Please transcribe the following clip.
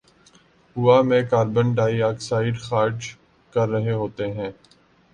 ہوا میں carbon dioxide خارج کررہے ہوتے ہیں